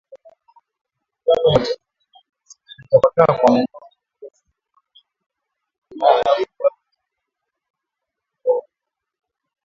Kutapakaa kwa minyoo hutokea sehemu zote za Tanzania na Kenya Dalili za ugonjwa wa minyoo wa ngamia